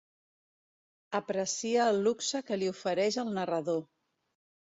Aprecia el luxe que li ofereix el narrador.